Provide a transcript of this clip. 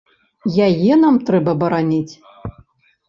Яе нам трэба бараніць?